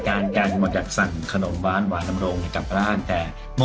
แข็งแรงมีนุ่มมารักมาชอบมาเยอะนะคะ